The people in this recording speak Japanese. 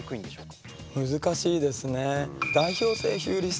難しいですね。